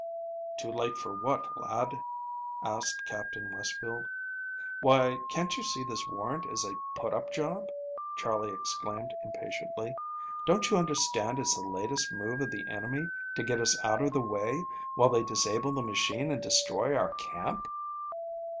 "Too late for what, lad?" asked Captain Westfield. "Why, can't you see this warrant is a put up job," Charley exclaimed impatiently. "Don't you understand it's the latest move of the enemy to get us out of the way while they disable the machine and destroy our camp?"